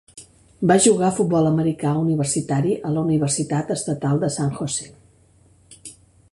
Va jugar futbol americà universitari a la Universitat Estatal de San Jose.